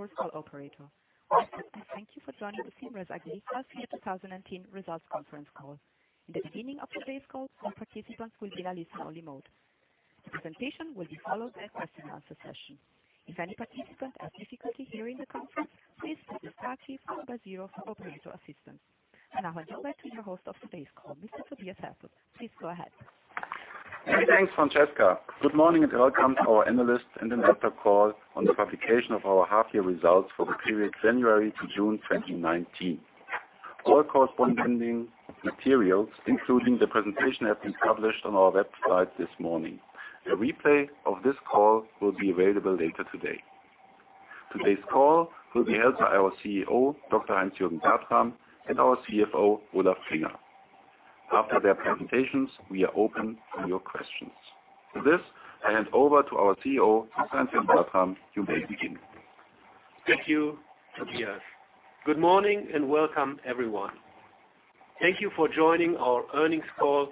Ladies and gentlemen, thank you for standing by. I am Francesca, your conference call operator. Welcome, and thank you for joining the Symrise AG half year 2019 results conference call. In the beginning of today's call, all participants will be in a listen-only mode. The presentation will be followed by a question and answer session. If any participants have difficulty hearing the conference, please press star zero for operator assistance. I now hand you over to your host of today's call, Mr. Tobias Hentze. Please go ahead. Many thanks, Francesca. Good morning and welcome to our analysts and investor call on the publication of our half year results for the period January to June 2019. All corresponding materials, including the presentation, have been published on our website this morning. A replay of this call will be available later today. Today's call will be held by our CEO, Dr. Heinz-Jürgen Bertram, and our CFO, Olaf Klinger. After their presentations, we are open to your questions. For this, I hand over to our CEO, to Heinz-Jürgen Bertram. You may begin. Thank you, Tobias. Good morning, welcome everyone. Thank you for joining our earnings call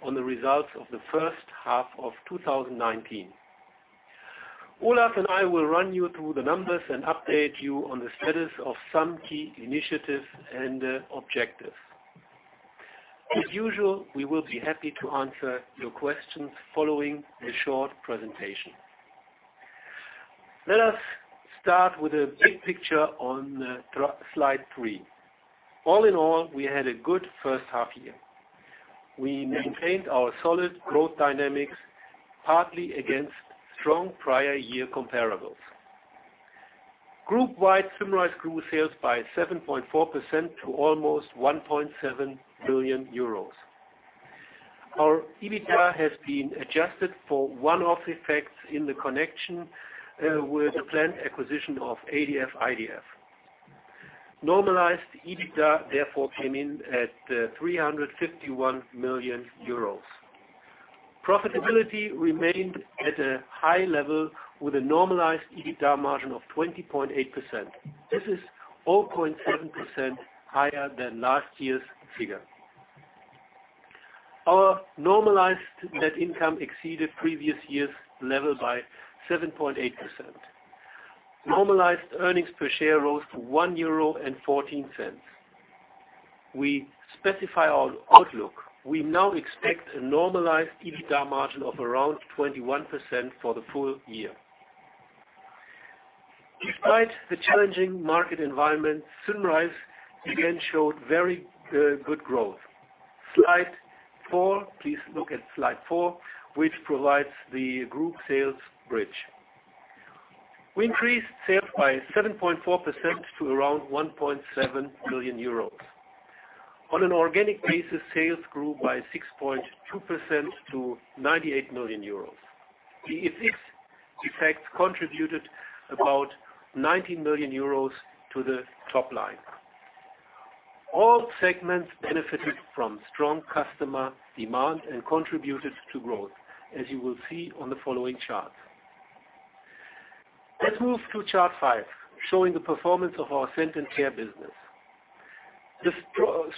on the results of the first half of 2019. Olaf and I will run you through the numbers and update you on the status of some key initiatives and objectives. As usual, we will be happy to answer your questions following the short presentation. Let us start with a big picture on slide three. All in all, we had a good first half year. We maintained our solid growth dynamics, partly against strong prior year comparables. Group-wide, Symrise grew sales by 7.4% to almost €1.7 billion. Our EBITDA has been adjusted for one-off effects in the connection with the planned acquisition of ADF/IDF. Normalized EBITDA therefore came in at €351 million. Profitability remained at a high level with a normalized EBITDA margin of 20.8%. This is 0.7% higher than last year's figure. Our normalized net income exceeded previous year's level by 7.8%. Normalized earnings per share rose to 1.14 euro. We specify our outlook. We now expect a normalized EBITDA margin of around 21% for the full year. Despite the challenging market environment, Symrise again showed very good growth. Slide four. Please look at slide four, which provides the group sales bridge. We increased sales by 7.4% to around 1.7 billion euros. On an organic basis, sales grew by 6.2% to 98 million euros. The effects contributed about 19 million euros to the top line. All segments benefited from strong customer demand and contributed to growth, as you will see on the following chart. Let's move to chart five, showing the performance of our Scent & Care business. The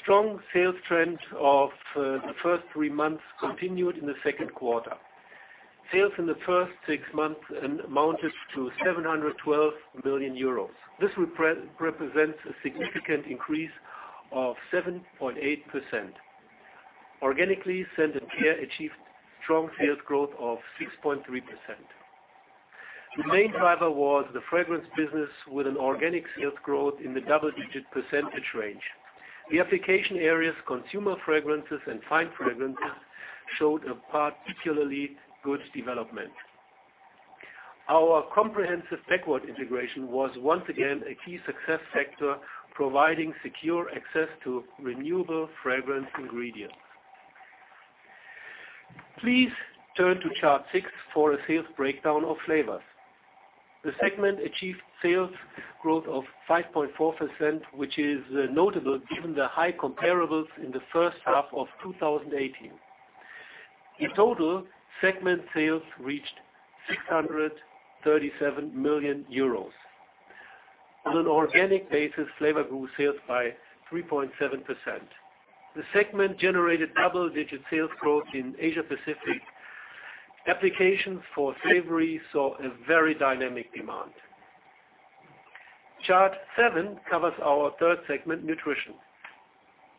strong sales trend of the first three months continued in the second quarter. Sales in the first six months amounted to 712 million euros. This represents a significant increase of 7.8%. Organically, Scent & Care achieved strong sales growth of 6.3%. The main driver was the fragrance business with an organic sales growth in the double-digit percentage range. The application areas, consumer fragrances and fine fragrances, showed a particularly good development. Our comprehensive backward integration was once again a key success factor, providing secure access to renewable fragrance ingredients. Please turn to chart six for a sales breakdown of Flavor. The segment achieved sales growth of 5.4%, which is notable given the high comparables in the first half of 2018. In total, segment sales reached 637 million euros. On an organic basis, Flavor grew sales by 3.7%. The segment generated double-digit sales growth in Asia Pacific. Applications for savory saw a very dynamic demand. Chart seven covers our third segment, Nutrition.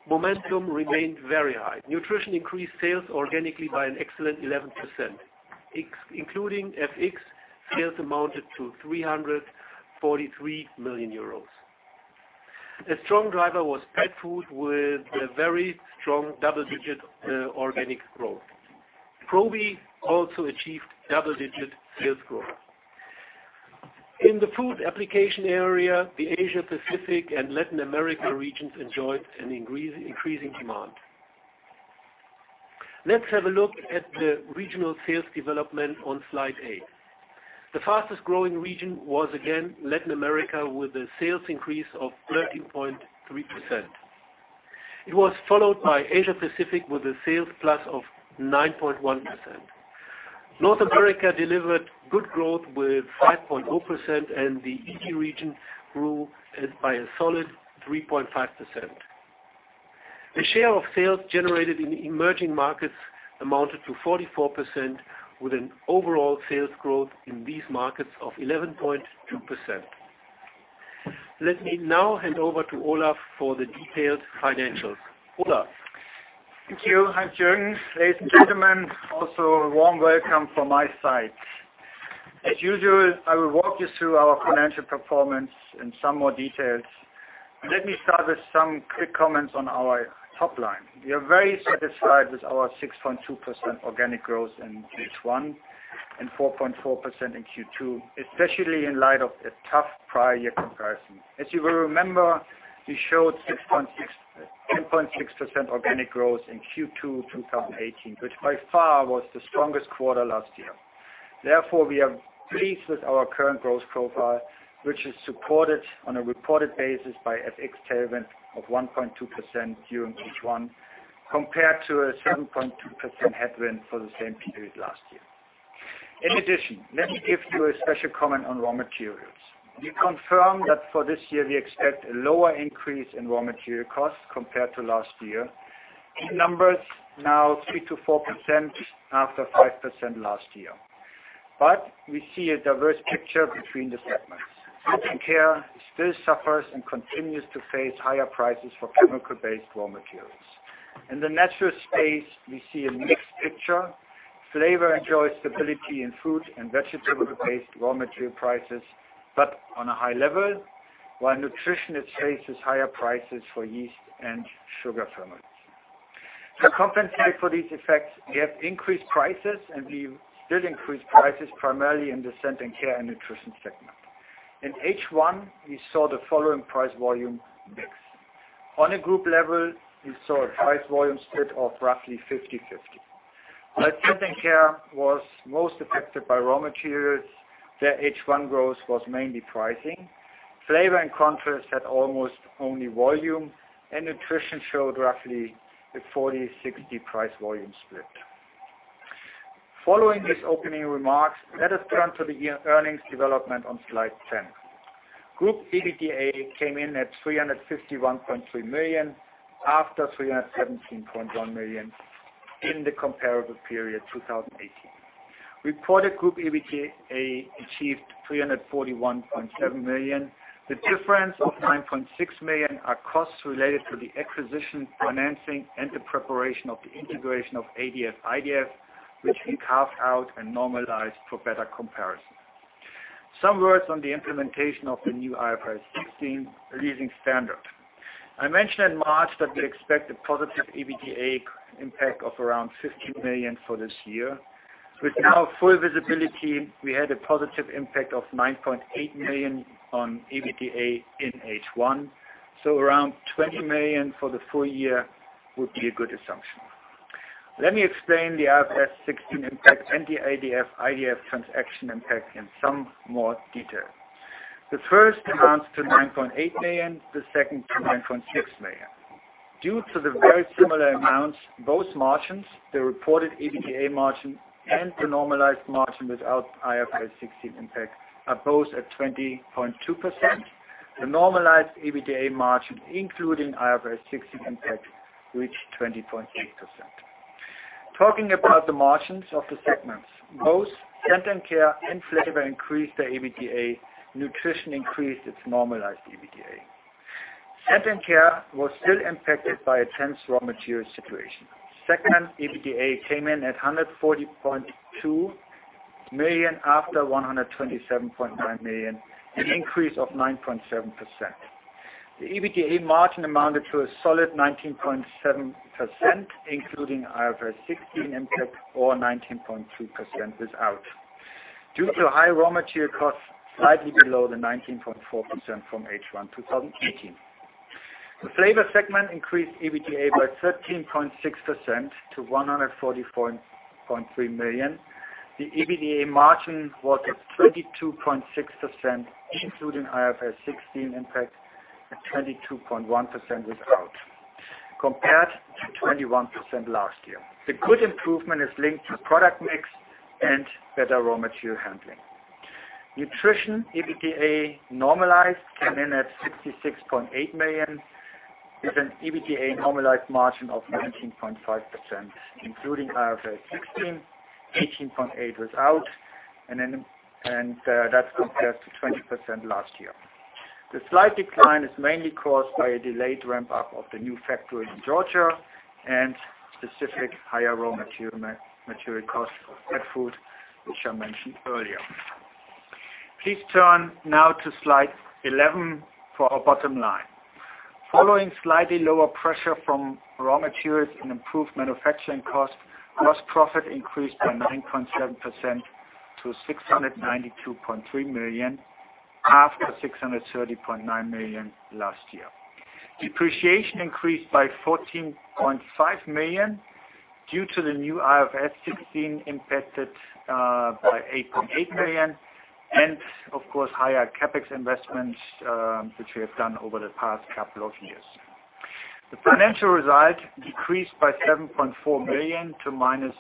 Momentum remained very high. Nutrition increased sales organically by an excellent 11%. Including FX, sales amounted to 343 million euros. A strong driver was pet food with a very strong double-digit organic growth. Probi also achieved double-digit sales growth. In the food application area, the Asia-Pacific and Latin America regions enjoyed an increasing demand. Let's have a look at the regional sales development on slide eight. The fastest-growing region was again Latin America with a sales increase of 13.3%. It was followed by Asia-Pacific with a sales plus of 9.1%. North America delivered good growth with 5.0%, and the EU region grew by a solid 3.5%. The share of sales generated in emerging markets amounted to 44%, with an overall sales growth in these markets of 11.2%. Let me now hand over to Olaf for the detailed financials. Olaf? Thank you, Heinz-Jürgen. Ladies and gentlemen, also a warm welcome from my side. As usual, I will walk you through our financial performance in some more details. Let me start with some quick comments on our top line. We are very satisfied with our 6.2% organic growth in H1 and 4.4% in Q2, especially in light of a tough prior year comparison. As you will remember, we showed 10.6% organic growth in Q2 2018, which by far was the strongest quarter last year. Therefore, we are pleased with our current growth profile, which is supported on a reported basis by FX tailwind of 1.2% during Q1, compared to a 7.2% headwind for the same period last year. In addition, let me give you a special comment on raw materials. We confirm that for this year, we expect a lower increase in raw material costs compared to last year. Key numbers now 3%-4% after 5% last year. We see a diverse picture between the segments. Scent & Care still suffers and continues to face higher prices for chemical-based raw materials. In the natural space, we see a mixed picture. Flavor enjoys stability in fruit and vegetable-based raw material prices, but on a high level, while Nutrition faces higher prices for yeast and sugar ferments. To compensate for these effects, we have increased prices, and we did increase prices primarily in the Scent & Care and Nutrition segment. In H1, we saw the following price-volume mix. On a group level, we saw a price-volume split of roughly 50/50. While Scent & Care was most affected by raw materials, their H1 growth was mainly pricing. Flavor, in contrast, had almost only volume, and Nutrition showed roughly a 40/60 price-volume split. Following these opening remarks, let us turn to the earnings development on slide 10. Group EBITDA came in at 351.3 million after 317.1 million in the comparable period 2018. Reported group EBITDA achieved 341.7 million. The difference of 9.6 million are costs related to the acquisition, financing, and the preparation of the integration of ADF/IDF, which we carved out and normalized for better comparison. Some words on the implementation of the new IFRS 16 leasing standard. I mentioned in March that we expect a positive EBITDA impact of around 15 million for this year. With now full visibility, we had a positive impact of 9.8 million on EBITDA in H1, so around 20 million for the full year would be a good assumption. Let me explain the IFRS 16 impact and the ADF/IDF transaction impact in some more detail. The first amounts to 9.8 million, the second to 9.6 million. Due to the very similar amounts, both margins, the reported EBITDA margin and the normalized margin without IFRS 16 impact are both at 20.2%. The normalized EBITDA margin, including IFRS 16 impact, reached 20.6%. Talking about the margins of the segments, both Scent & Care and Flavor increased their EBITDA. Nutrition increased its normalized EBITDA. Scent & Care was still impacted by a tense raw material situation. Segment EBITDA came in at 140.2 million after 127.9 million, an increase of 9.7%. The EBITDA margin amounted to a solid 19.7%, including IFRS 16 impact, or 19.2% without. Due to high raw material costs, slightly below the 19.4% from H1 2018. The Flavor segment increased EBITDA by 13.6% to 144.3 million. The EBITDA margin was at 22.6%, including IFRS 16 impact, and 22.1% without, compared to 21% last year. The good improvement is linked to product mix and better raw material handling. Nutrition EBITDA normalized came in at 66.8 million, with an EBITDA normalized margin of 19.5%, including IFRS 16, 18.8% without, and that's compared to 20% last year. The slight decline is mainly caused by a delayed ramp-up of the new factory in Georgia and specific higher raw material costs for pet food, which I mentioned earlier. Please turn now to slide 11 for our bottom line. Following slightly lower pressure from raw materials and improved manufacturing costs, gross profit increased by 9.7% to 692.3 million, after 630.9 million last year. Depreciation increased by 14.5 million due to the new IFRS 16 impacted by 8.8 million and of course, higher CapEx investments, which we have done over the past couple of years. The financial result decreased by 7.4 million to minus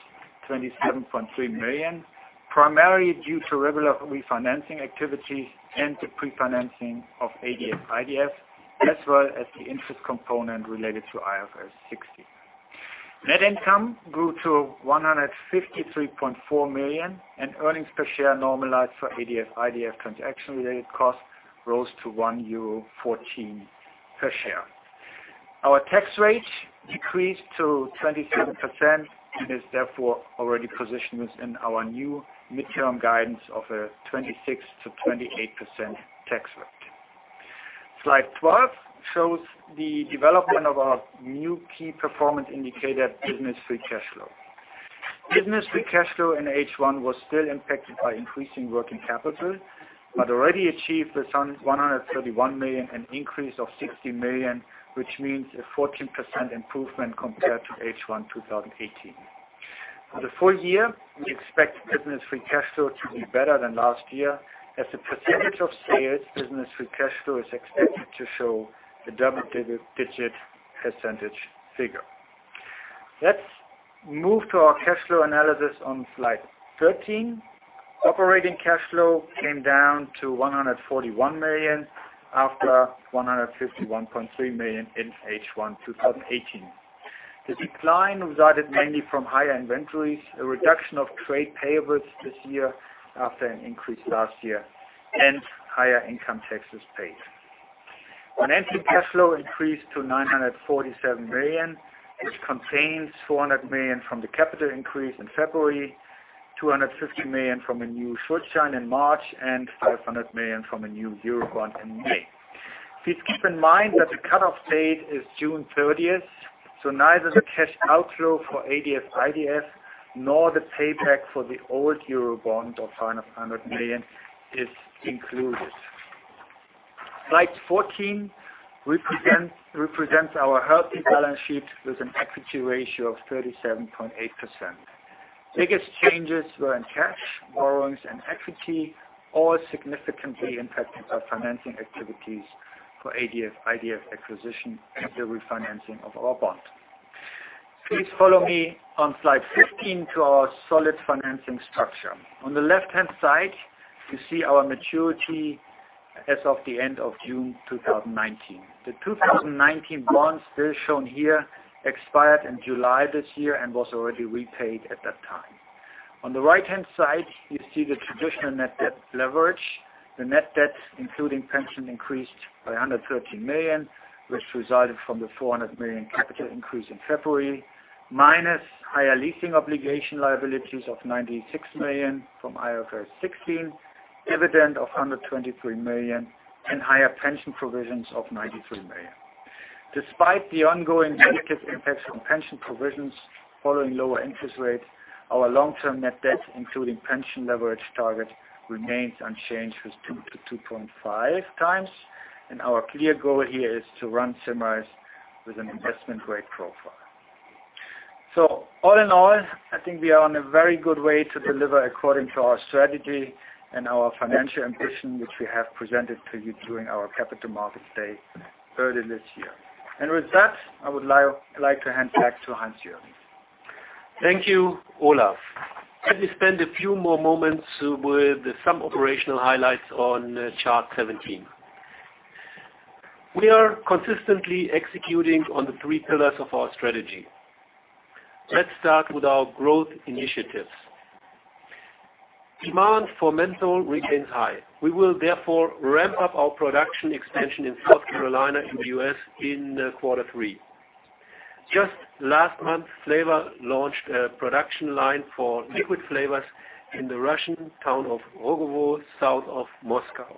27.3 million. Primarily due to regular refinancing activities and the pre-financing of ADF/IDF, as well as the interest component related to IFRS 16. Net income grew to 153.4 million, and earnings per share normalized for ADF/IDF transaction-related costs rose to 1.14 euro per share. Our tax rate decreased to 27% and is therefore already positioned within our new midterm guidance of a 26%-28% tax rate. Slide 12 shows the development of our new key performance indicator, business free cash flow. Business free cash flow in H1 was still impacted by increasing working capital but already achieved 131 million, an increase of 60 million, which means a 14% improvement compared to H1 2018. For the full year, we expect business free cash flow to be better than last year. As a percentage of sales, business free cash flow is expected to show a double-digit percentage figure. Let's move to our cash flow analysis on slide 13. Operating cash flow came down to 141 million after 151.3 million in H1 2018. The decline resulted mainly from higher inventories, a reduction of trade payables this year after an increase last year, and higher income taxes paid. Operating cash flow increased to 947 million, which contains 400 million from the capital increase in February, 250 million from a new short-term in March, and 500 million from a new euro bond in May. Please keep in mind that the cut-off date is June 30th, so neither the cash outflow for ADF/IDF nor the payback for the old euro bond of 500 million is included. Slide 14 represents our healthy balance sheet with an equity ratio of 37.8%. The biggest changes were in cash, borrowings, and equity, all significantly impacted by financing activities for ADF/IDF acquisition and the refinancing of our bond. Please follow me on slide 15 to our solid financing structure. On the left-hand side, you see our maturity as of the end of June 2019. The 2019 bond still shown here expired in July this year and was already repaid at that time. On the right-hand side, you see the traditional net debt leverage. The net debt, including pension increased by 113 million, which resulted from the 400 million capital increase in February, minus higher leasing obligation liabilities of 96 million from IFRS 16, dividend of 123 million and higher pension provisions of 93 million. Despite the ongoing negative impacts from pension provisions following lower interest rates, our long-term net debt, including pension leverage target, remains unchanged with 2 to 2.5 times. Our clear goal here is to run Symrise with an investment-grade profile. All in all, I think we are on a very good way to deliver according to our strategy and our financial ambition, which we have presented to you during our capital market day earlier this year. With that, I would like to hand back to Heinz-Jürgen. Thank you, Olaf. Let me spend a few more moments with some operational highlights on chart 17. We are consistently executing on the three pillars of our strategy. Let's start with our growth initiatives. Demand for menthol remains high. We will therefore ramp up our production expansion in South Carolina in the U.S. in quarter 3. Just last month, Flavor launched a production line for liquid flavors in the Russian town of Rogovo, south of Moscow.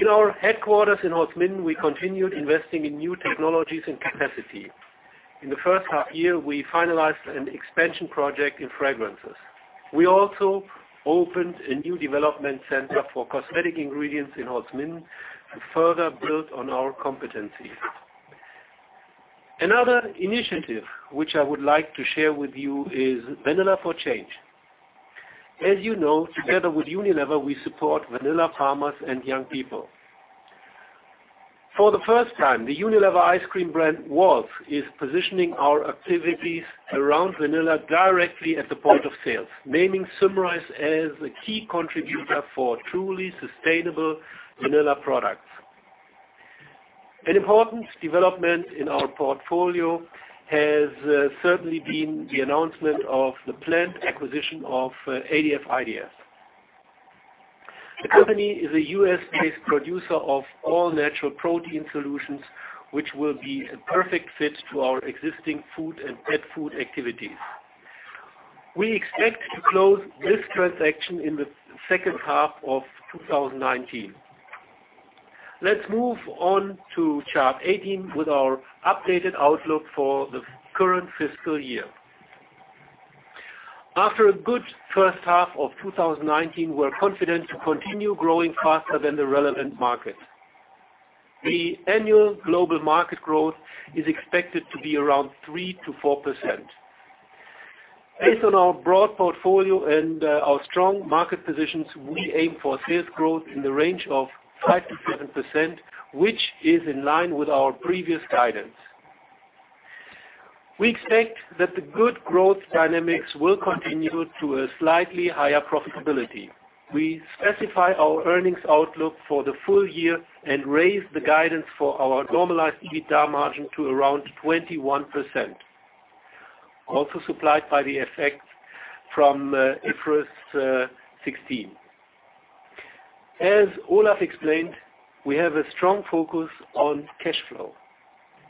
In our headquarters in Holzminden, we continued investing in new technologies and capacity. In the first half year, we finalized an expansion project in Fragrances. We also opened a new development center for cosmetic ingredients in Holzminden to further build on our competencies. Another initiative, which I would like to share with you, is Vanilla for Change. As you know, together with Unilever, we support vanilla farmers and young people. For the first time, the Unilever ice cream brand, Wall's, is positioning our activities around vanilla directly at the point of sale, naming Symrise as a key contributor for truly sustainable vanilla products. An important development in our portfolio has certainly been the announcement of the planned acquisition of ADF/IDF. The company is a U.S.-based producer of all-natural protein solutions, which will be a perfect fit to our existing food and pet food activities. We expect to close this transaction in the second half of 2019. Let's move on to chart 18 with our updated outlook for the current fiscal year. After a good first half of 2019, we're confident to continue growing faster than the relevant market. The annual global market growth is expected to be around 3%-4%. Based on our broad portfolio and our strong market positions, we aim for sales growth in the range of 5%-7%, which is in line with our previous guidance. We expect that the good growth dynamics will continue to a slightly higher profitability. We specify our earnings outlook for the full year and raise the guidance for our normalized EBITDA margin to around 21%, also supplied by the effect from IFRS 16. As Olaf explained, we have a strong focus on cash flow.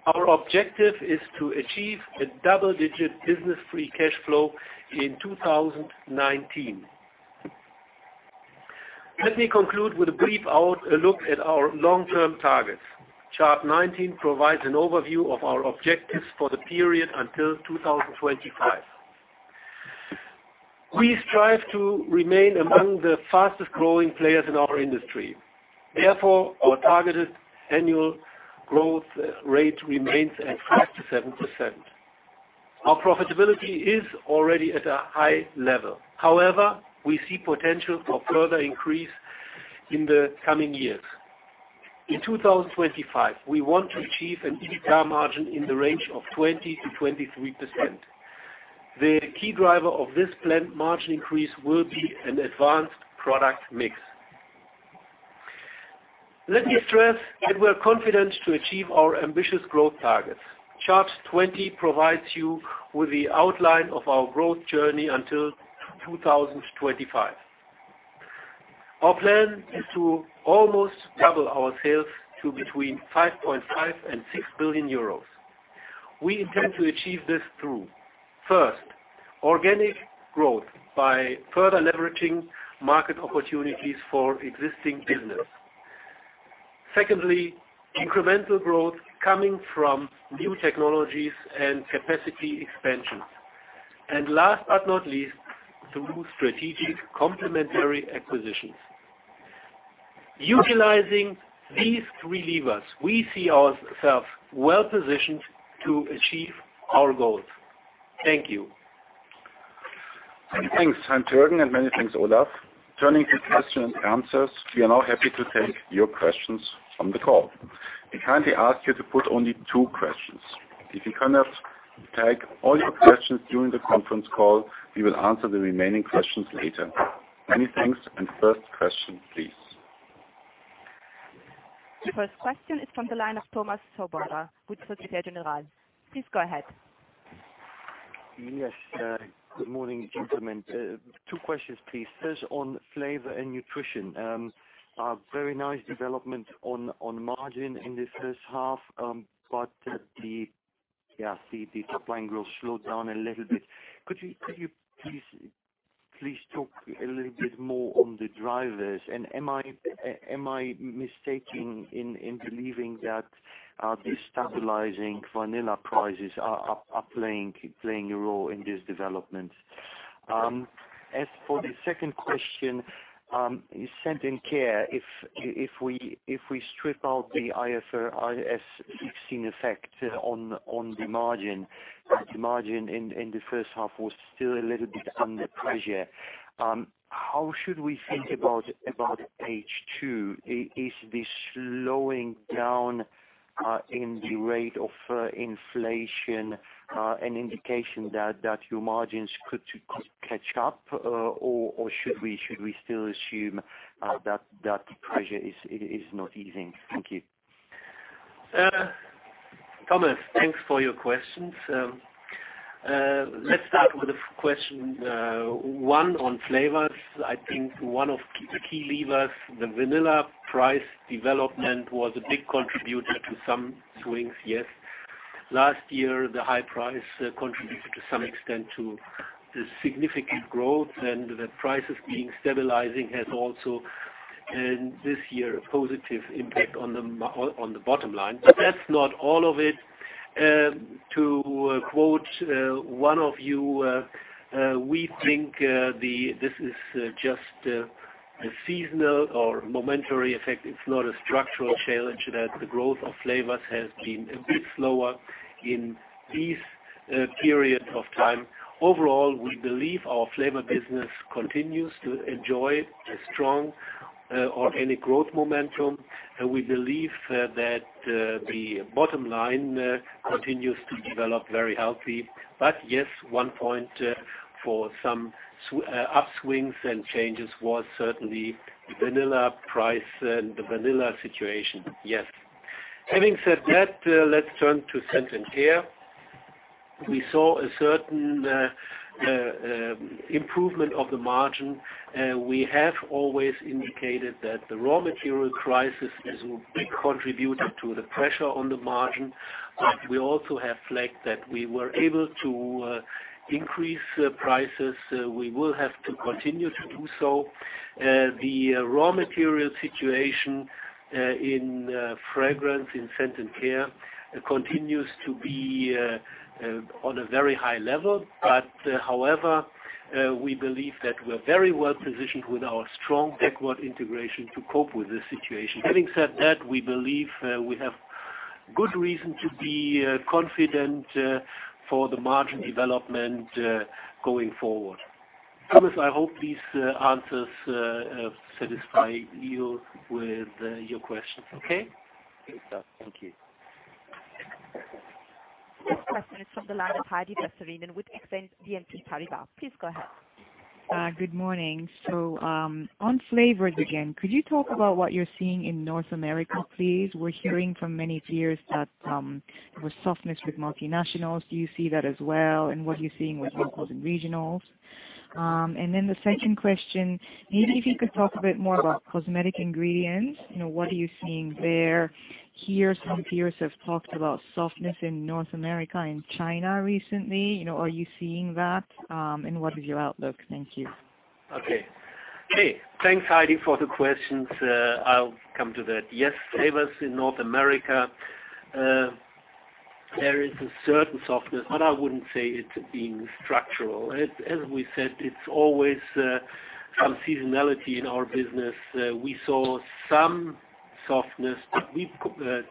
Our objective is to achieve a double-digit business free cash flow in 2019. Let me conclude with a brief look at our long-term targets. Chart 19 provides an overview of our objectives for the period until 2025. We strive to remain among the fastest-growing players in our industry. Therefore, our targeted annual growth rate remains at 5%-7%. Our profitability is already at a high level. However, we see potential for further increase in the coming years. In 2025, we want to achieve an EBITDA margin in the range of 20% to 23%. The key driver of this planned margin increase will be an advanced product mix. Let me stress that we are confident to achieve our ambitious growth targets. Chart 20 provides you with the outline of our growth journey until 2025. Our plan is to almost double our sales to between 5.5 billion and 6 billion euros. We intend to achieve this through, first, organic growth by further leveraging market opportunities for existing business. Secondly, incremental growth coming from new technologies and capacity expansions. Last but not least, through strategic complementary acquisitions. Utilizing these three levers, we see ourselves well-positioned to achieve our goals. Thank you. Many thanks, Jürgen, and many thanks, Olaf. Turning to question and answers, we are now happy to take your questions on the call. We kindly ask you to put only two questions. If you cannot take all your questions during the conference call, we will answer the remaining questions later. Many thanks. First question, please. The first question is from the line of Thomas Baudchon with Société Générale. Please go ahead. Yes. Good morning, gentlemen. Two questions, please. On Flavor and Nutrition. Very nice development on margin in the first half, the top line growth slowed down a little bit. Could you please talk a little bit more on the drivers? Am I mistaken in believing that these stabilizing vanilla prices are playing a role in this development? As for the second question, Scent & Care, if we strip out the IFRS 16 effect on the margin, the margin in the first half was still a little bit under pressure. How should we think about H2? Is this slowing down in the rate of inflation an indication that your margins could catch up, should we still assume that pressure is not easing? Thank you. Thomas, thanks for your questions. Let's start with question one on Flavor. I think one of the key levers, the vanilla price development was a big contributor to some swings, yes. Last year, the high price contributed to some extent to the significant growth and the prices being stabilizing has also, this year, a positive impact on the bottom line. That's not all of it. To quote one of you, we think this is just a seasonal or momentary effect. It's not a structural challenge that the growth of Flavor has been a bit slower in these periods of time. Overall, we believe our Flavor business continues to enjoy a strong organic growth momentum. We believe that the bottom line continues to develop very healthy. Yes, one point for some upswings and changes was certainly the vanilla price and the vanilla situation. Yes. Having said that, let's turn to Scent & Care. We saw a certain improvement of the margin. We have always indicated that the raw material crisis is a big contributor to the pressure on the margin. We also have flagged that we were able to increase prices. We will have to continue to do so. The raw material situation in fragrance in Scent & Care continues to be on a very high level. However, we believe that we are very well positioned with our strong backward integration to cope with this situation. Having said that, we believe we have good reason to be confident for the margin development going forward. Thomas, I hope these answers satisfy you with your questions, okay? It does. Thank you. Next question is from the line of Heidi Vesterinen with BNP Paribas Exane. Please go ahead. Good morning. On flavors again, could you talk about what you're seeing in North America, please? We're hearing from many peers that there was softness with multinationals. Do you see that as well? What are you seeing with locals and regionals? The second question, maybe if you could talk a bit more about cosmetic ingredients, what are you seeing there? We hear some peers have talked about softness in North America and China recently. Are you seeing that? What is your outlook? Thank you. Okay. Hey, thanks, Heidi, for the questions. I'll come to that. Flavors in North America. There is a certain softness, I wouldn't say it's being structural. We said, it's always some seasonality in our business. We saw some softness.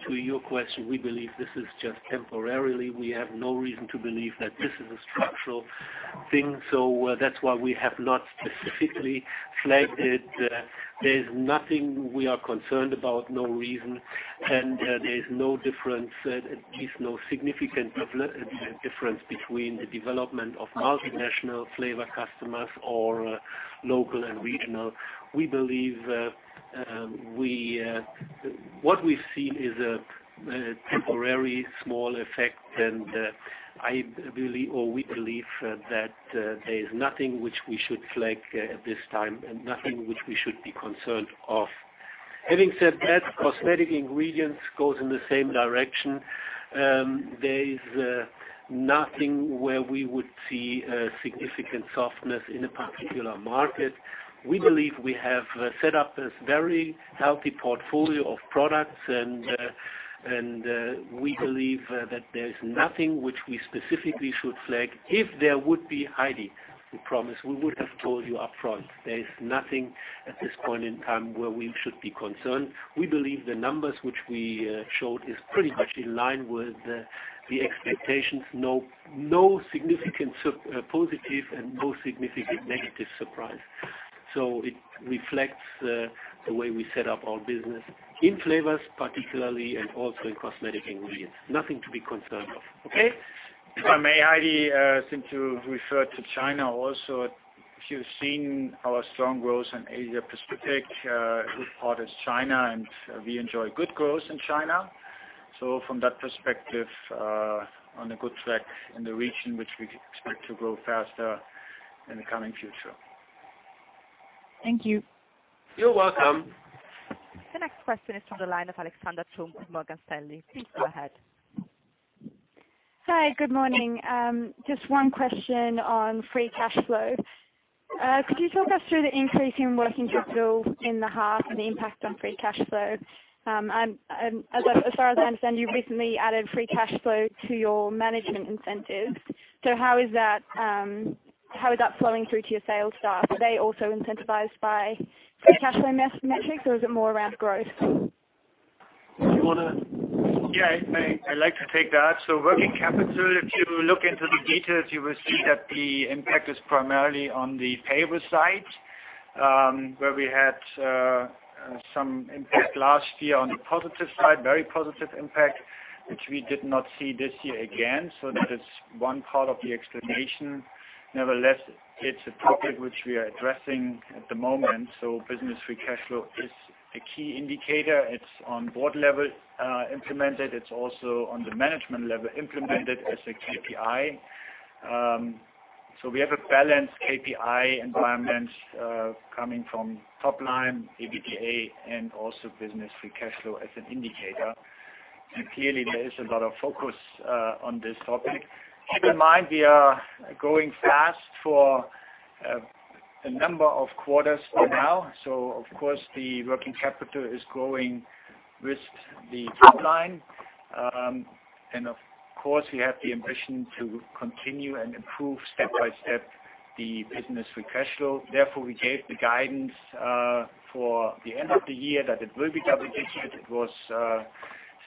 To your question, we believe this is just temporary. We have no reason to believe that this is a structural thing. That's why we have not specifically flagged it. There's nothing we are concerned about, no reason. There is no difference, at least no significant difference between the development of multinational Flavor customers or local and regional. We believe what we've seen is a temporary small effect, and we believe that there is nothing which we should flag at this time and nothing which we should be concerned about. Having said that, cosmetic ingredients go in the same direction. There is nothing where we would see a significant softness in a particular market. We believe we have set up a very healthy portfolio of products, and we believe that there is nothing which we specifically should flag. If there would be, Heidi, we promise we would have told you upfront. There is nothing at this point in time where we should be concerned. We believe the numbers which we showed is pretty much in line with the expectations. No significant positive and no significant negative surprise. It reflects the way we set up our business in Flavor particularly, and also in cosmetic ingredients. Nothing to be concerned of, okay? May I, Heidi, since you referred to China also? If you've seen our strong growth in Asia Pacific, a good part is China, and we enjoy good growth in China. From that perspective, on a good track in the region, which we expect to grow faster in the coming future. Thank you. You're welcome. The next question is from the line of Nicola Tang with Morgan Stanley. Please go ahead. Hi, good morning. Just one question on free cash flow. Could you talk us through the increase in working capital in the half and the impact on free cash flow? As far as I understand, you've recently added free cash flow to your management incentive. How is that flowing through to your sales staff? Are they also incentivized by free cash flow metrics, or is it more around growth? Do you want to- Yeah, I'd like to take that. Working capital, if you look into the details, you will see that the impact is primarily on the payable side, where we had some impact last year on the positive side, very positive impact, which we did not see this year again. Nevertheless, it's a topic which we are addressing at the moment. Business free cash flow is a key indicator. It's on board level implemented. It's also on the management level implemented as a KPI. We have a balanced KPI environment coming from top line EBITDA and also business free cash flow as an indicator. Clearly, there is a lot of focus on this topic. Keep in mind, we are growing fast for a number of quarters by now. Of course, the working capital is growing with the top line. Of course, we have the ambition to continue and improve step by step the business free cash flow. We gave the guidance for the end of the year that it will be double digit. It was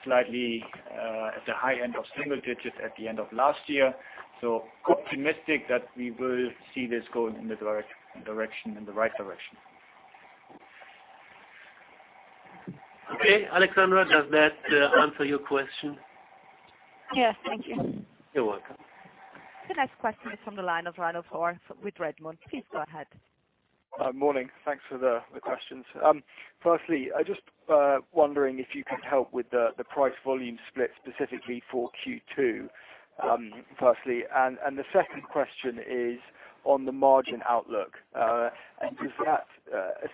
slightly at the high end of single digit at the end of last year. Optimistic that we will see this going in the right direction. Okay, Nicola, does that answer your question? Yes. Thank you. You're welcome. The next question is from the line of Ranulf Orr with Redburn. Please go ahead. Morning. Thanks for the questions. Firstly, I just wondering if you could help with the price volume split specifically for Q2. The second question is on the margin outlook. Does that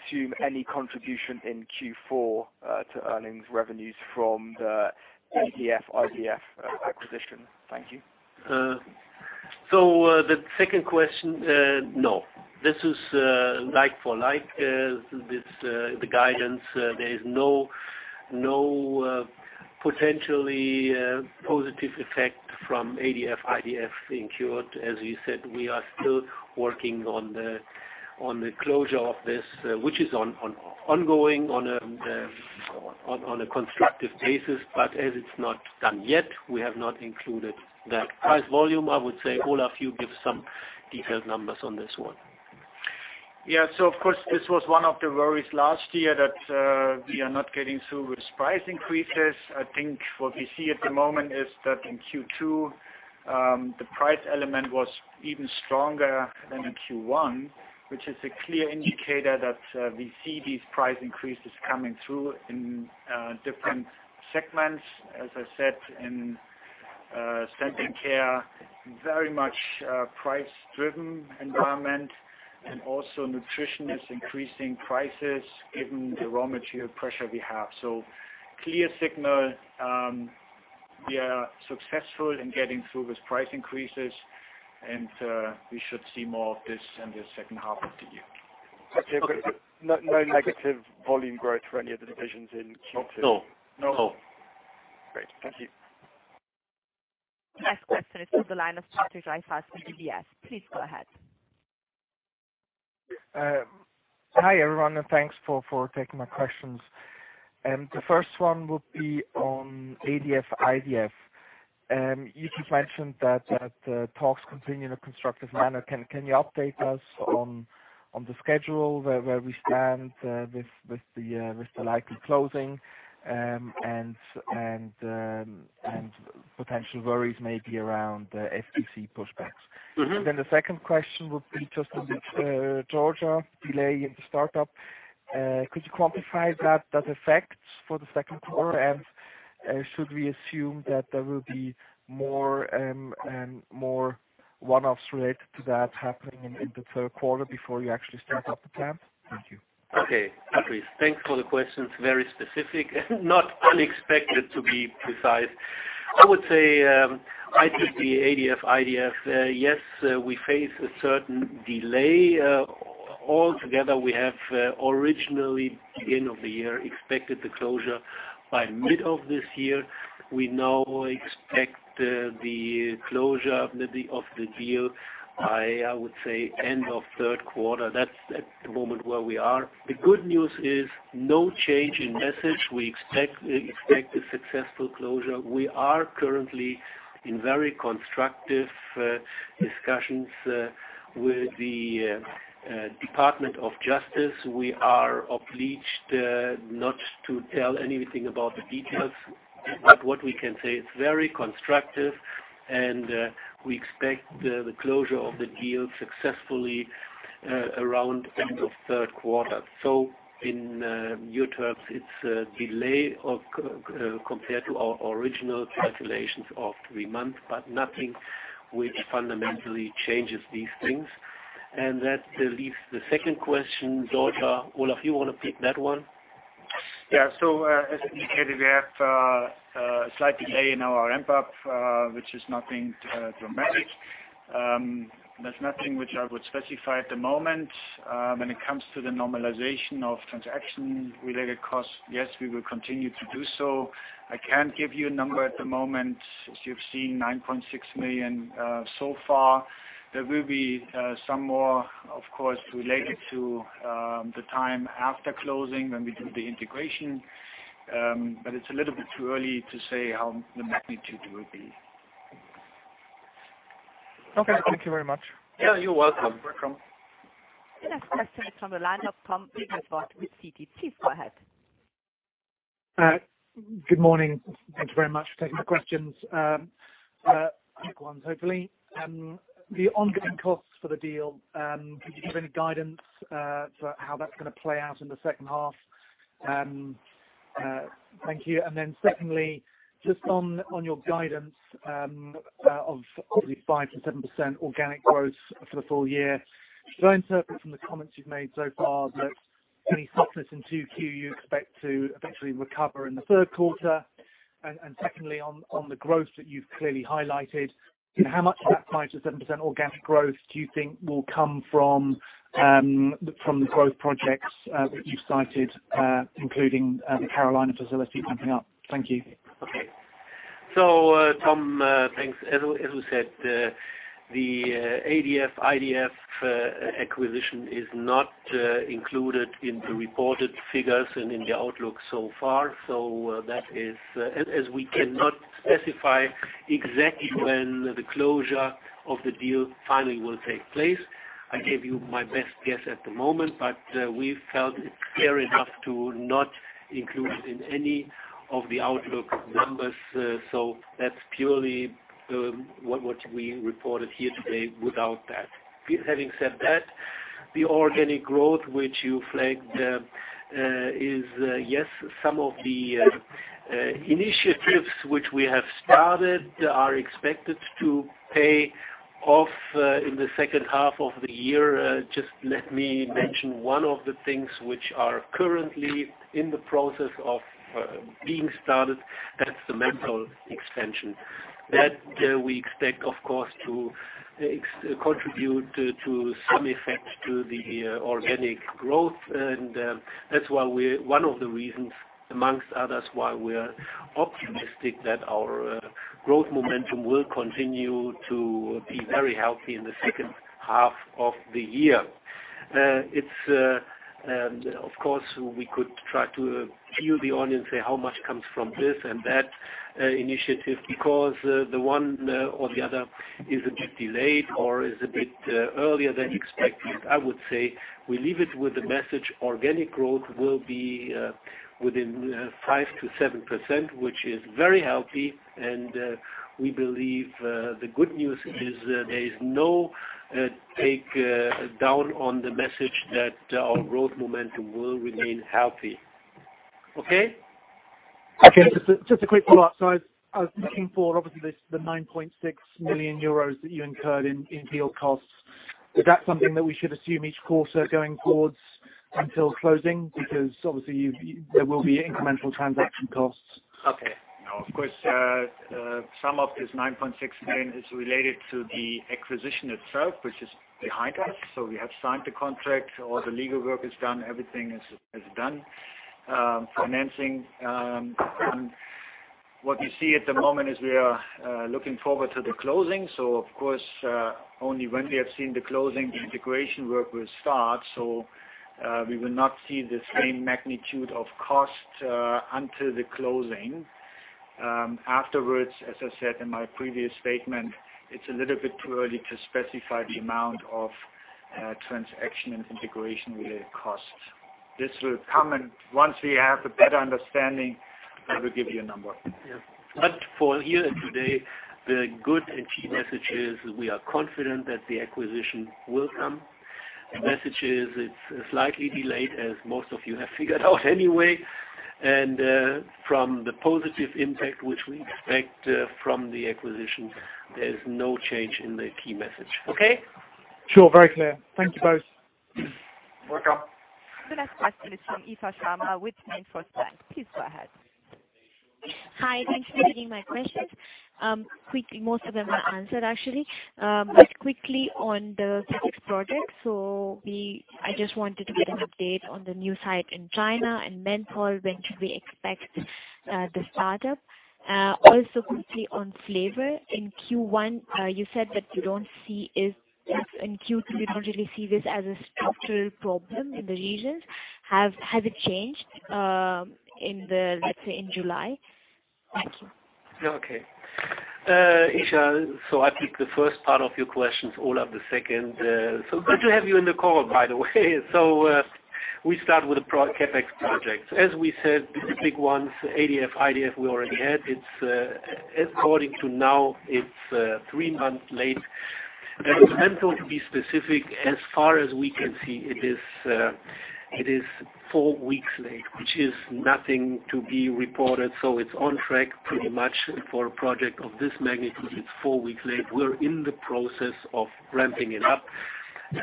assume any contribution in Q4 to earnings revenues from the ADF/IDF acquisition? Thank you. The second question, no. This is like for like, the guidance. There is no potentially positive effect from ADF/IDF in Q4. As you said, we are still working on the closure of this, which is ongoing on a constructive basis. As it's not done yet, we have not included that price volume. I would say, Olaf, you give some detailed numbers on this one. Yeah. Of course, this was one of the worries last year that we are not getting through with price increases. I think what we see at the moment is that in Q2, the price element was even stronger than in Q1, which is a clear indicator that we see these price increases coming through in different segments. As I said, in Scent & Care, very much a price-driven environment, and also Nutrition is increasing prices given the raw material pressure we have. Clear signal. We are successful in getting through with price increases, and we should see more of this in the second half of the year. Okay. No negative volume growth for any of the divisions in Q2? No. Great. Thank you. Next question is from the line of Patrick Rafaisz from UBS. Please go ahead. Hi, everyone, and thanks for taking my questions. The first one would be on ADF/IDF. You just mentioned that the talks continue in a constructive manner. Can you update us on the schedule, where we stand with the likely closing, and potential worries maybe around the FTC pushbacks? The second question would be just on the Georgia delay in the startup. Could you quantify that effect for the second quarter? Should we assume that there will be more one-offs related to that happening in the third quarter before you actually start up the plant? Thank you. Okay, Patrick. Thanks for the questions. Very specific and not unexpected, to be precise. The ADF/IDF, yes, we face a certain delay. Altogether, we have originally, beginning of the year, expected the closure by mid of this year. We now expect the closure of the deal by end of third quarter. That's at the moment where we are. The good news is, no change in message. We expect a successful closure. We are currently in very constructive discussions with the Department of Justice. We are obliged not to tell anything about the details. What we can say, it's very constructive, and we expect the closure of the deal successfully around end of third quarter. In new terms, it's a delay compared to our original calculations of three months, but nothing which fundamentally changes these things. That leaves the second question, Georgia. Olaf, you want to pick that one? As indicated, we have a slight delay in our ramp-up, which is nothing dramatic. There's nothing which I would specify at the moment. When it comes to the normalization of transaction-related costs, yes, we will continue to do so. I can't give you a number at the moment. As you've seen, 9.6 million so far. There will be some more, of course, related to the time after closing when we do the integration. It's a little bit too early to say how the magnitude will be. Okay. Thank you very much. Yeah, you're welcome. The next question is from the line of Tom Wrigglesworth with Citi. Go ahead. Good morning. Thank you very much for taking my questions. Quick ones, hopefully. The ongoing costs for the deal, can you give any guidance for how that's going to play out in the second half? Thank you. Secondly, just on your guidance of 5%-7% organic growth for the full year, should I interpret from the comments you've made so far that any softness in 2Q you expect to eventually recover in the third quarter? Secondly, on the growth that you've clearly highlighted, how much of that 5%-7% organic growth do you think will come from the growth projects that you've cited, including the Carolina facility ramping up? Thank you. Okay. Tom, thanks. As we said, the ADF/IDF acquisition is not included in the reported figures and in the outlook so far. As we cannot specify exactly when the closure of the deal finally will take place, I gave you my best guess at the moment, but we felt it fair enough to not include it in any of the outlook numbers. That's purely what we reported here today without that. Having said that, the organic growth which you flagged is, yes, some of the initiatives which we have started are expected to pay off in the second half of the year. Just let me mention one of the things which are currently in the process of being started, that's the menthol extension. That we expect, of course, to contribute to some effect to the organic growth, and that's one of the reasons, amongst others, why we are optimistic that our growth momentum will continue to be very healthy in the second half of the year. Of course, we could try to peel the onion, say how much comes from this and that initiative, because the one or the other is a bit delayed or is a bit earlier than expected. I would say we leave it with the message, organic growth will be within 5%-7%, which is very healthy, and we believe the good news is there is no take down on the message that our growth momentum will remain healthy. Okay? Okay. Just a quick follow-up. I was looking for, obviously, the 9.6 million euros that you incurred in deal costs. Is that something that we should assume each quarter going forward until closing? Obviously there will be incremental transaction costs. Okay. No, of course, some of this 9.6 million is related to the acquisition itself, which is behind us. We have signed the contract, all the legal work is done, everything is done. Financing. What we see at the moment is we are looking forward to the closing, so of course, only when we have seen the closing, the integration work will start. We will not see the same magnitude of cost until the closing. Afterwards, as I said in my previous statement, it's a little bit too early to specify the amount of transaction and integration-related costs. This will come, and once we have a better understanding, I will give you a number. Yeah. For here and today, the good and key message is we are confident that the acquisition will come. The message is it's slightly delayed, as most of you have figured out anyway, and from the positive impact which we expect from the acquisition, there's no change in the key message. Okay? Sure. Very clear. Thank you both. Welcome. The next question is from Isha Sharma with MainFirst Bank. Please go ahead. Hi. Thanks for taking my questions. Quickly, most of them are answered actually. Quickly on the CapEx project. I just wanted to get an update on the new site in China and menthol, when should we expect the startup? Also quickly on Flavor. In Q1, you said that you don't see In Q2, you don't really see this as a structural problem in the regions. Has it changed, let's say, in July? Thank you. Okay. Isha, I take the first part of your questions, Olaf the second. Good to have you in the call, by the way. We start with the CapEx projects. As we said, the big ones, ADF/IDF, we already had. According to now, it's three months late. menthol, to be specific, as far as we can see, it is four weeks late, which is nothing to be reported. It's on track pretty much for a project of this magnitude. It's four weeks late. We're in the process of ramping it up.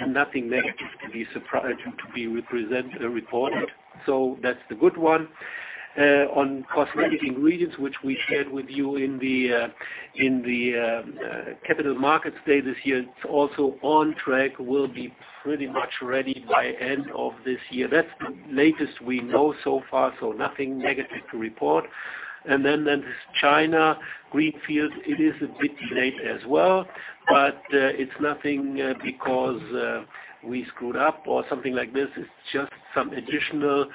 Nothing negative to be represented or reported. That's the good one. On cosmetic ingredients, which we shared with you in the Capital Markets Day this year, it's also on track, will be pretty much ready by end of this year. That's the latest we know so far. Nothing negative to report. This China Greenfield, it is a bit late as well, but it is nothing because we screwed up or something like this. It is just some additional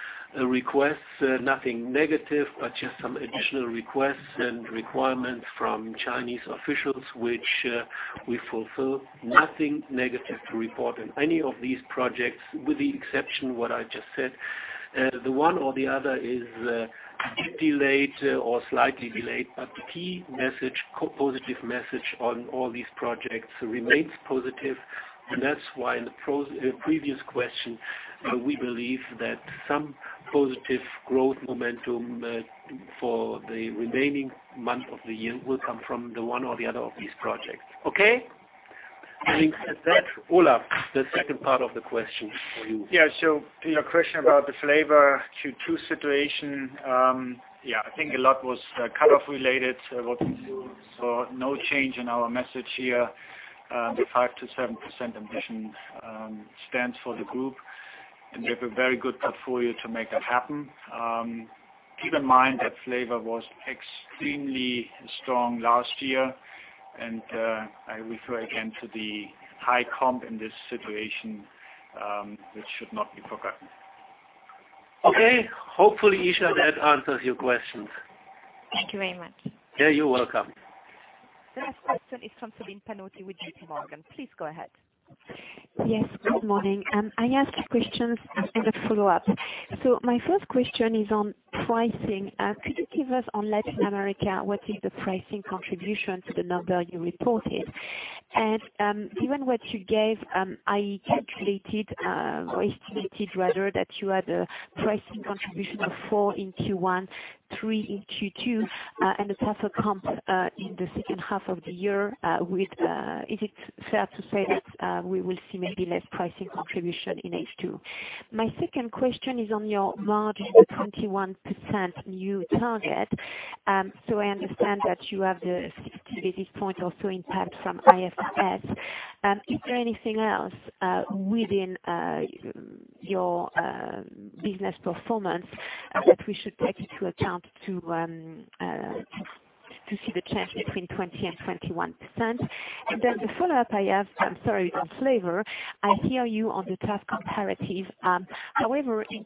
requests. Nothing negative, just some additional requests and requirements from Chinese officials, which we fulfill. Nothing negative to report in any of these projects, with the exception of what I just said. The one or the other is a bit delayed or slightly delayed, but the key message, positive message on all these projects remains positive, and that is why in the previous question, we believe that some positive growth momentum for the remaining months of the year will come from the one or the other of these projects. Okay. Having said that, Olaf, the second part of the question is for you. Yeah. Your question about the Flavor Q2 situation. Yeah, I think a lot was cutoff related, so no change in our message here. The 5% to 7% ambition stands for the group, and we have a very good portfolio to make that happen. Keep in mind that Flavor was extremely strong last year, and I refer again to the high comp in this situation, which should not be forgotten. Okay. Hopefully, Isha, that answers your questions. Thank you very much. Yeah, you're welcome. The next question is from Sabine Paillote with JPMorgan. Please go ahead. Yes, good morning. I ask questions and a follow-up. My first question is on pricing. Could you give us on Latin America, what is the pricing contribution to the number you reported? Given what you gave, I calculated or estimated rather that you had a pricing contribution of four in Q1, three in Q2, and a tougher comp in the second half of the year. Is it fair to say that we will see maybe less pricing contribution in H2? My second question is on your margin of 21% new target. I understand that you have the 60 basis point or so impact from IFRS 16. Is there anything else within your business performance that we should take into account to see the change between 20% and 21%? The follow-up I have, I'm sorry, on Flavor. I hear you on the tough comparative. In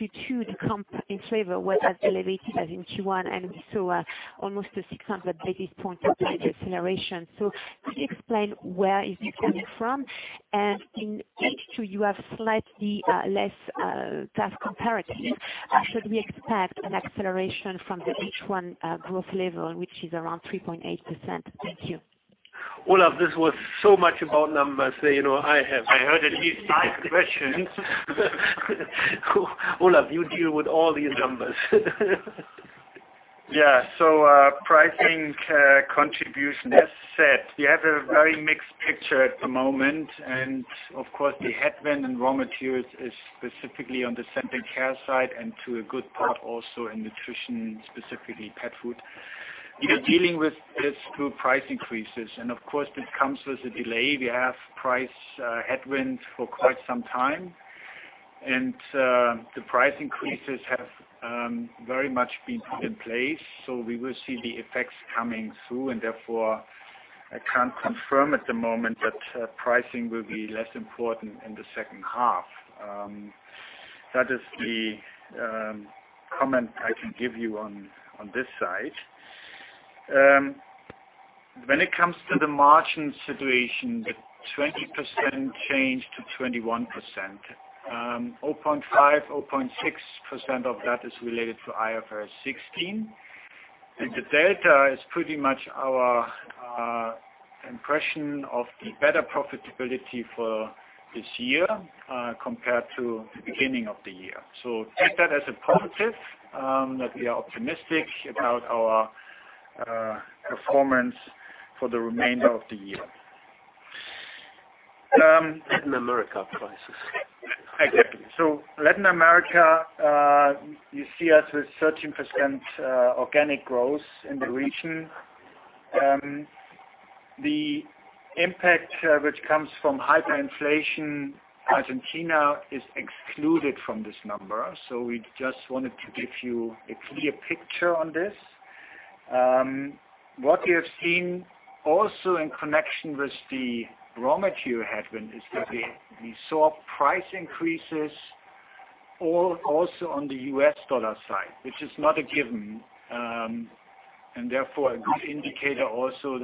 Q2, the comp in Flavor was as elevated as in Q1, and we saw almost a 600 basis point acceleration. Could you explain where is this coming from? In Q2, you have slightly less tough comparative. Should we expect an acceleration from the H1 growth level, which is around 3.8%? Thank you. Olaf, this was so much about numbers. I heard at least five questions. Olaf, you deal with all these numbers. Yeah. Pricing contribution, as said, we have a very mixed picture at the moment, and of course, the headwind in raw materials is specifically on the Scent & Care side, and to a good part also in Nutrition, specifically pet food. We are dealing with this through price increases, and of course, this comes with a delay. We have price headwinds for quite some time, and the price increases have very much been put in place. We will see the effects coming through, and therefore, I can't confirm at the moment that pricing will be less important in the second half. That is the comment I can give you on this side. When it comes to the margin situation, the 20% change to 21%, 0.5%, 0.6% of that is related to IFRS 16. The delta is pretty much our impression of the better profitability for this year compared to the beginning of the year. Take that as a positive, that we are optimistic about our performance for the remainder of the year. Latin America prices. Exactly. Latin America, you see us with 13% organic growth in the region. The impact which comes from hyperinflation, Argentina is excluded from this number. We just wanted to give you a clear picture on this. What we have seen also in connection with the raw material headwind is that we saw price increases also on the USD side, which is not a given, and therefore a good indicator also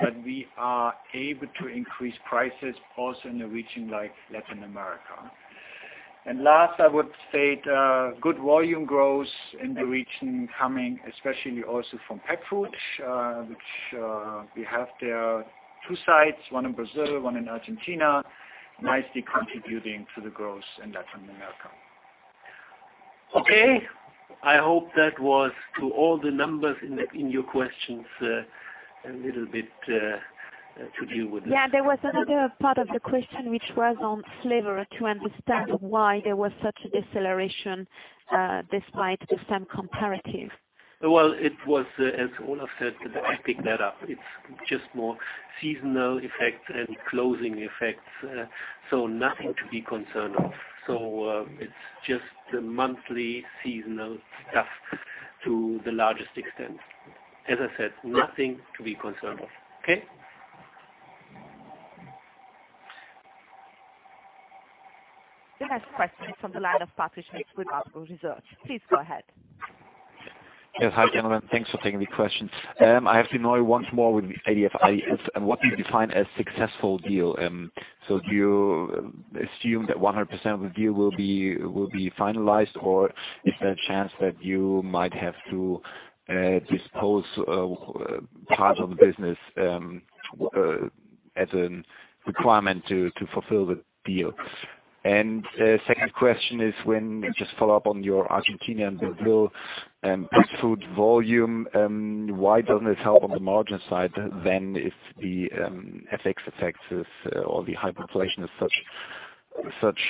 that we are able to increase prices also in a region like Latin America. Last, I would state a good volume growth in the region coming especially also from pet food, which we have there 2 sites, one in Brazil, one in Argentina, nicely contributing to the growth in Latin America. Okay. I hope that was to all the numbers in your questions, a little bit to deal with this. Yeah, there was another part of the question which was on Flavor to understand why there was such a deceleration despite the same comparative. Well, it was, as Olaf said, I pick that up. It's just more seasonal effects and closing effects. Nothing to be concerned of. It's just the monthly seasonal stuff to the largest extent. As I said, nothing to be concerned of. Okay? The next question is from the line of Patrick Schmidt with Warburg Research. Please go ahead. Yes, hi, gentlemen. Thanks for taking the question. I have to annoy you once more with ADF/IDF and what you define as successful deal. Do you assume that 100% of the deal will be finalized, or is there a chance that you might have to dispose part of the business as a requirement to fulfill the deal? Second question is, just follow up on your Argentina and Brazil pet food volume. Why doesn't it help on the margin side then if the FX effects or the hyperinflation is such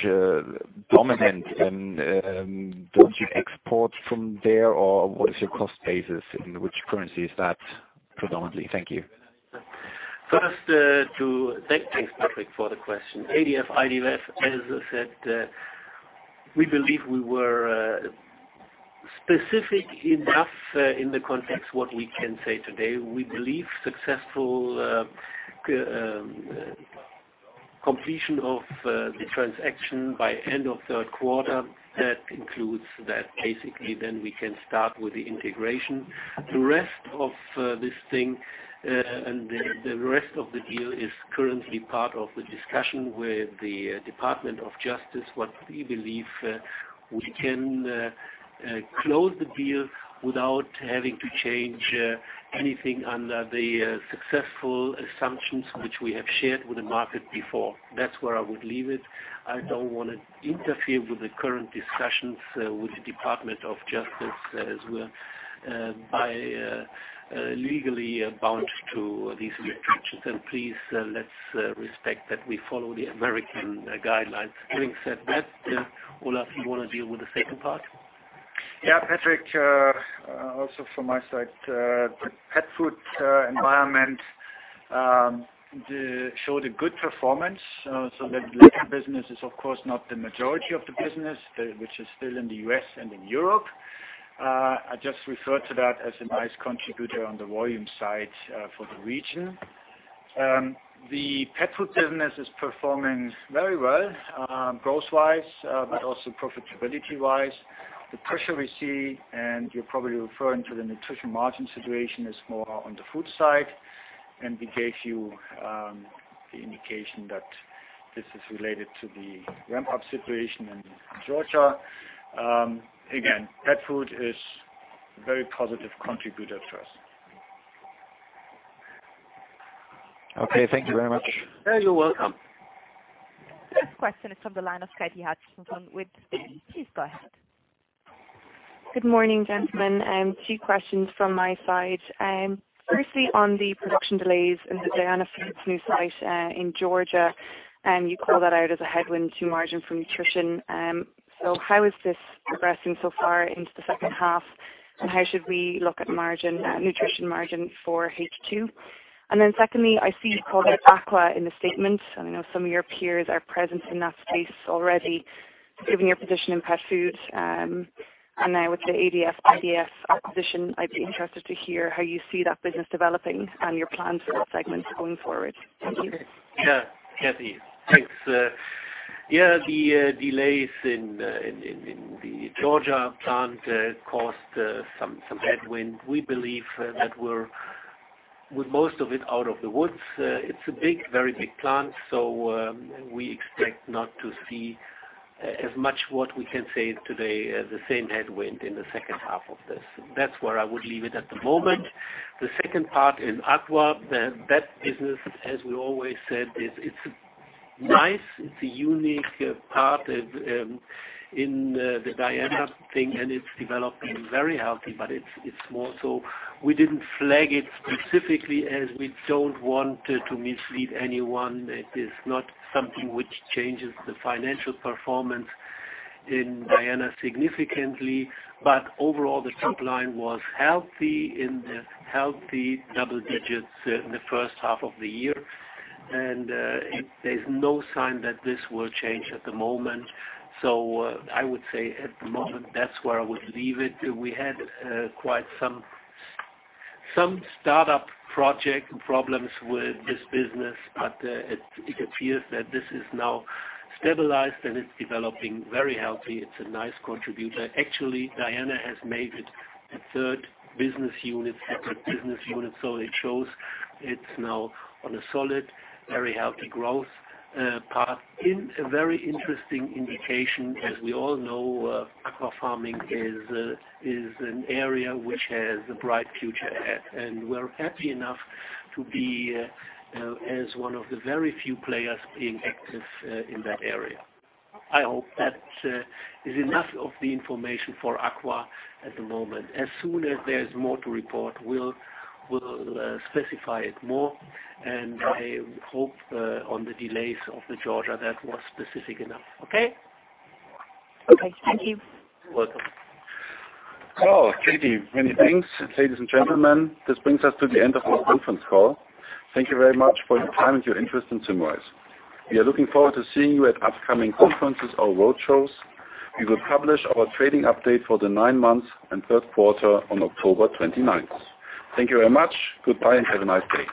dominant, and don't you export from there, or what is your cost basis? In which currency is that predominantly? Thank you. First, Thanks, Patrick, for the question. ADF/IDF, as I said, we believe we were specific enough in the context what we can say today. We believe successful completion of the transaction by end of third quarter, that includes that basically we can start with the integration. The rest of this thing and the rest of the deal is currently part of the discussion with the Department of Justice, what we believe we can close the deal without having to change anything under the successful assumptions which we have shared with the market before. That's where I would leave it. I don't want to interfere with the current discussions with the Department of Justice, as we are legally bound to these restrictions. Please, let's respect that we follow the American guidelines. Having said that, Ulf, you want to deal with the second part? Patrick, also from my side, the pet food environment showed a good performance. That later business is of course not the majority of the business, which is still in the U.S. and in Europe. I just referred to that as a nice contributor on the volume side for the region. The pet food business is performing very well growth-wise, but also profitability-wise. The pressure we see, and you're probably referring to the Nutrition margin situation, is more on the food side, and we gave you the indication that this is related to the ramp-up situation in Georgia. Again, pet food is a very positive contributor to us. Okay. Thank you very much. You're welcome. Next question is from the line of Katie Hutchison with Citi. Please go ahead. Good morning, gentlemen. Two questions from my side. Firstly, on the production delays in the Diana Food's new site in Georgia, you call that out as a headwind to margin from Nutrition. How is this progressing so far into the second half, and how should we look at Nutrition margin for H2? Secondly, I see you called out Aqua in the statement, and I know some of your peers are present in that space already, given your position in pet food. With the ADF/IDF acquisition, I'd be interested to hear how you see that business developing and your plans for that segment going forward. Thank you. Yeah, Katie. Thanks. The delays in the Georgia plant caused some headwind. We believe that we're with most of it out of the woods. It's a very big plant, so we expect not to see as much what we can say today as the same headwind in the second half of this. That's where I would leave it at the moment. The second part in Aqua, that business, as we always said, it's nice. It's a unique part in the Diana thing, and it's developing very healthy, but it's small. We didn't flag it specifically, as we don't want to mislead anyone. It is not something which changes the financial performance in Diana significantly. Overall, the top line was healthy in the healthy double digits in the first half of the year. There's no sign that this will change at the moment. I would say at the moment, that's where I would leave it. We had quite some startup project problems with this business, but it appears that this is now stabilized, and it's developing very healthy. It's a nice contributor. Actually, Diana has made it a third business unit, separate business unit. It shows it's now on a solid, very healthy growth path in a very interesting indication. As we all know aqua farming is an area which has a bright future ahead, and we're happy enough to be as one of the very few players being active in that area. I hope that is enough of the information for aqua at the moment. As soon as there's more to report, we'll specify it more, and I hope on the delays of the Georgia, that was specific enough. Okay? Okay. Thank you. You're welcome. Katie, many thanks. Ladies and gentlemen, this brings us to the end of our conference call. Thank you very much for your time and your interest in Symrise. We are looking forward to seeing you at upcoming conferences or road shows. We will publish our trading update for the nine months and third quarter on October 29th. Thank you very much. Goodbye, and have a nice day.